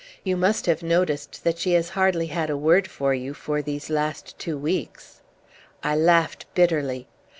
You must have noticed that she has hardly had a word for you for these last two weeks." I laughed bitterly.